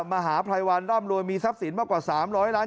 มหาภัยวันร่ำรวยมีทรัพย์สินมากกว่า๓๐๐ล้าน